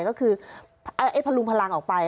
ก็คือพลุงพลังออกไป